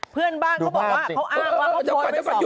เพื่อนบ้านเขาอ้างว่า